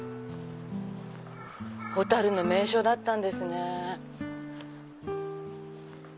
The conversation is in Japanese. ホタルの名所だったんですね。